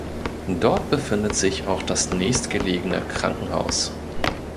Dort befindet sich auch das nächstgelegene Krankenhaus.